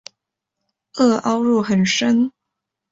萼凹入很深。